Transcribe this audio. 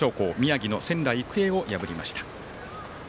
宮城の仙台育英を破りました。